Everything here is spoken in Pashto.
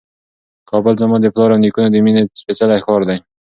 کابل زما د پلار او نیکونو د مېنې سپېڅلی ښار دی.